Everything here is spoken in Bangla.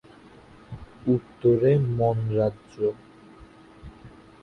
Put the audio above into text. উত্তরে মন রাজ্য।